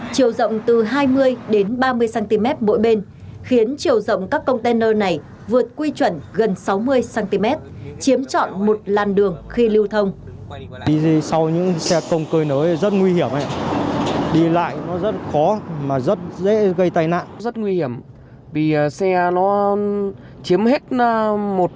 chiều rộng từ hai mươi cm đến ba mươi cm mỗi bên khiến chiều rộng các công tên ơ này vượt quy chuẩn gần sáu mươi cm chiếm chọn một làn đường khi lưu thông